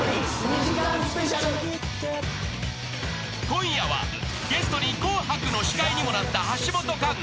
［今夜はゲストに『紅白』の司会にもなった橋本環奈］